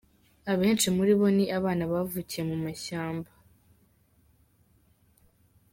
Abenshi muri bo ni abana bavukiye mu mashyamba.